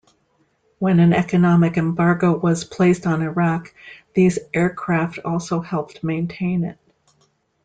When an economic embargo was placed on Iraq, these aircraft also helped maintain it.